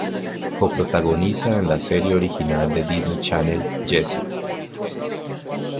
Coprotagoniza en la Serie Original de Disney Channel, "Jessie".